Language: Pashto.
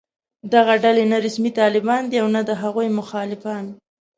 دغه ډلې نه رسمي طالبان دي او نه د هغوی مخالفان